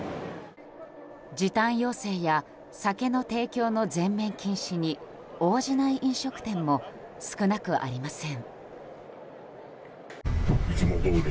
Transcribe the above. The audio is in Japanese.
時短要請や酒の提供の全面禁止に応じない飲食店も少なくありません。